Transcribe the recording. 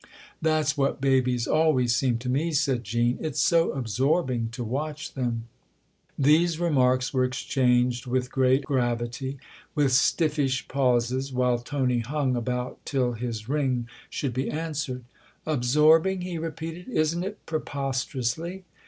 " That's what babies always seem to me," said Jean. " It's so absorbing to watch them." These remarks were exchanged with great gravity, with stifftsh pauses, while Tony hung about till his ring should be answered. " Absorbing ?" he repeated. " Isn't it, preposter ously